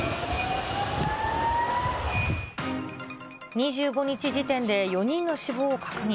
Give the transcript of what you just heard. ２５日時点で４人の死亡を確認。